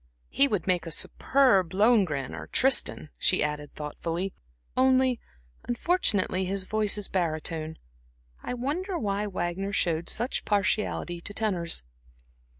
He would make a superb Lohengrin or Tristan," she added, thoughtfully "only, unfortunately, his voice is barytone. I wonder why Wagner showed such partiality to tenors."